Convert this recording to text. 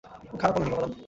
খারাপ বলোনি, বলরাম।